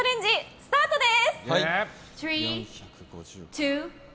スタートです！